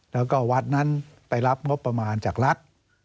แล้วก็วัดนั้นไปรับงบประมาณจากรัฐ